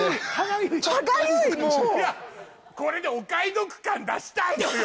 いやこれでお買い得感出したいのよ！